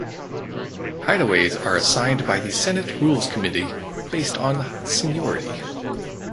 Hideaways are assigned by the Senate Rules Committee based on seniority.